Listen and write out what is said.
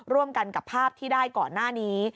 ร่วมกันกับภาพที่ได้ก่อนหน้านี้